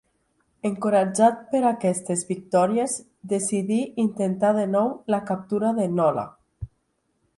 Encoratjat per aquestes victòries, decidí intentar de nou la captura de Nola.